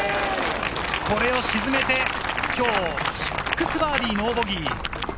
これを沈めて今日６バーディー、ノーボギー。